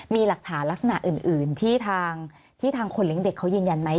มีหลักฐานลักษณะอื่นที่ทางคนเลี้ยงเด็กเขายืนยันไหม